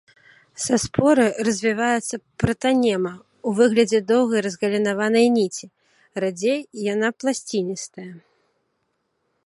Са споры развіваецца пратанема ў выглядзе доўгай разгалінаванай ніці, радзей яна пласціністая.